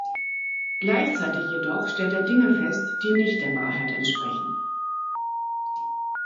Gleichzeitig jedoch stellt er Dinge fest, die nicht der Wahrheit entsprechen.